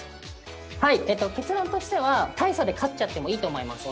はい結論としては大差で勝っちゃってもいいと思います